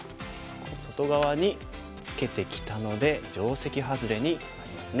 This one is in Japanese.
外側にツケてきたので定石ハズレになりますね。